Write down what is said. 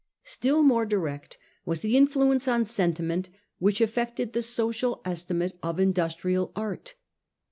Still more direct was the influence on sentiment which affected the social estimate of industrial art.